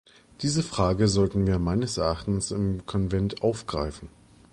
Diese Frage sollten wir meines Erachtens im Konvent aufgreifen.